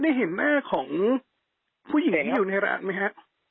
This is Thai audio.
ได้เห็นหน้าของผู้หญิงที่อยู่ในร้านไหมฮะ